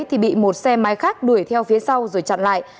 thì bị một xe máy khác đuổi theo phía sau rồi chặn lại